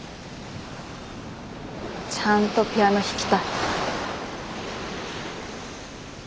ちゃんとピアノ弾きたい。